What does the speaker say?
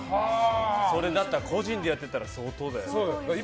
それだったら個人でやってたらそれなりだよね。